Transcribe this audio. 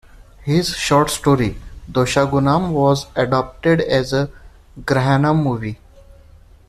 His Short story Doshagunam was adapted as a Grahanam movie.